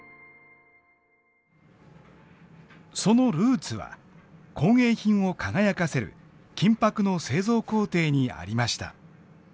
そのルーツは工芸品を輝かせる金箔の製造工程にありました。